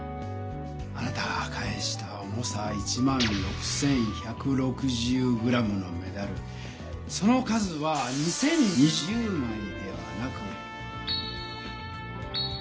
あなたが返した重さ１６１６０ｇのメダルその数は２０２０枚ではなく。